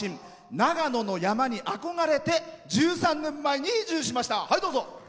長野の山に憧れて１０年前に移住しました。